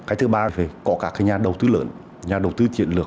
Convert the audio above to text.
cái thứ ba thì có cả cái nhà đầu tư lớn nhà đầu tư chiến lược